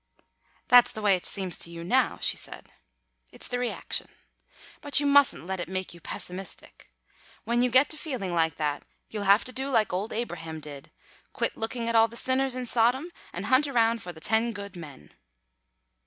'" "That's the way it seems to you now," she said. "It's the reaction. But you mustn't let it make you pessimistic. When you get to feeling like that you'll have to do like old Abraham did, quit looking at all the sinners in Sodom, and hunt around for the ten good men."